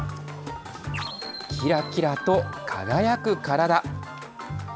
きらきらと輝く体。